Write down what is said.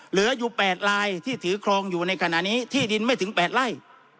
เหลืออยู่๘ลายที่ถือครองอยู่ในขณะนี้ที่ดินไม่ถึง๘ไร่